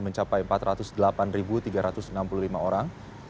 mencapai empat ratus delapan tiga ratus enam puluh lima orang